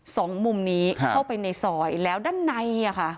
สองมุมนี้ส่องมุมนี้เข้าไปในซ่อยแล้วด้านในอ่ะค่ะ